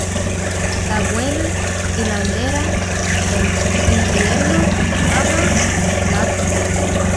La buena hilandera, en invierno acaba la tela.